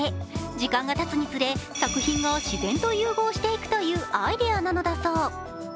時間がたつにつれ、作品が自然と融合していくというアイデアなのだそう。